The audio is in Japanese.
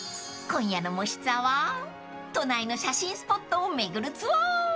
［今夜の『もしツア』は都内の写真スポットを巡るツアー］